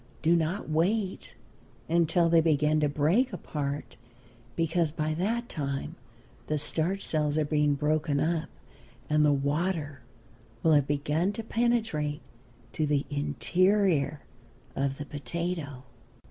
Do not wait until they begin to break apart, because by that time the starch cells are being broken up, and the water will have begun to penetrate to the interior of the potato.